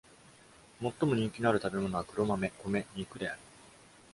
最も人気のある食べ物は黒豆、米、肉である。